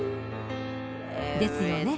［ですよね？